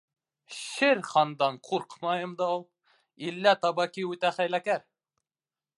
— Шер Хандан ҡурҡмайым да ул, иллә Табаки үтә хәйләкәр.